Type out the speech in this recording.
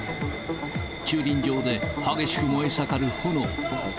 駐輪場で激しく燃え盛る炎。